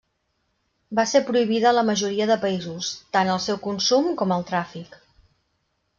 Va ser prohibida a la majoria de països, tant el seu consum com el tràfic.